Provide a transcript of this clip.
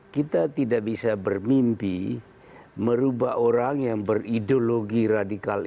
kita tidak bisa bermimpi merubah orang yang berideologi radikal